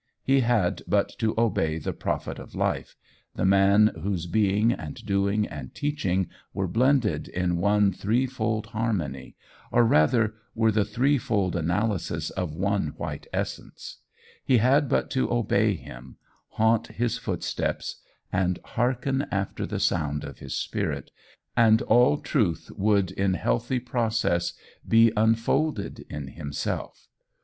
he had but to obey the prophet of life, the man whose being and doing and teaching were blended in one three fold harmony, or rather, were the three fold analysis of one white essence he had but to obey him, haunt his footsteps, and hearken after the sound of his spirit, and all truth would in healthy process be unfolded in himself.